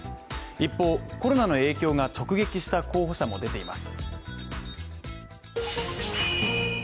一方、コロナの影響が直撃した候補者も出ています